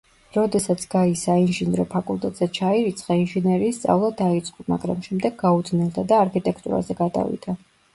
როდესაც გაი საინჟინრო ფაკულტეტზე ჩაირიცხა, ინჟინერიის სწავლა დაიწყო, მაგრამ შემდეგ გაუძნელდა და არქიტექტურაზე გადავიდა.